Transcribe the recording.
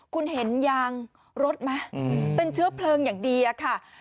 คุณเห็นยางรถไหมเป็นเชื้อเพลิงอย่างดีอะค่ะ